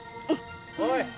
おい！